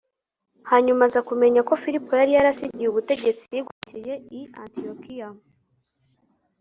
hanyuma aza kumenya ko filipo yari yarasigiye ubutegetsi yigomekeye i antiyokiya